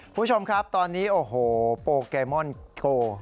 คุณผู้ชมครับตอนนี้โอ้โหโปเกมอนโก